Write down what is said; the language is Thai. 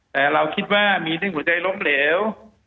แต่เราคิดว่ามีเรื่องหัวใจล้มเหลว